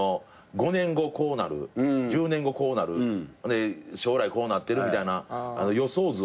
「５年後こうなる」「１０年後こうなる」「将来こうなってる」みたいな予想図を。